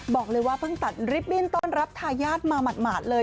บอกเลยว่าเพิ่งตัดลิฟตบิ้นต้อนรับทายาทมาหมาดเลย